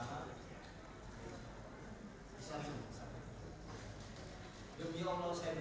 ibu usia menunggu ini banyak